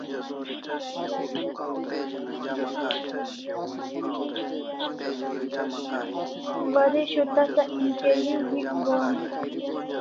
Waresho tasa interview shik gohan